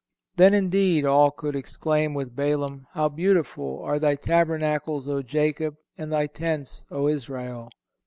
Then, indeed, all could exclaim with Balaam: "How beautiful are thy tabernacles, O Jacob, and thy tents, O Israel!"